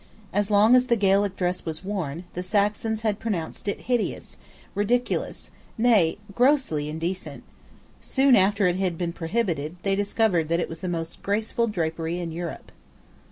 As long as the Gaelic dress was worn, the Saxons had pronounced it hideous, ridiculous, nay, grossly indecent. Soon after it had been prohibited, they discovered that it was the most graceful drapery in Europe.